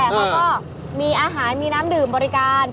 เขาก็มีอาหารมีน้ำดื่มบริการ